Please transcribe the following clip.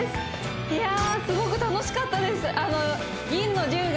いやすごく楽しかったです